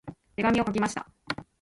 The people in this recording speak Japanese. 手紙を書きました。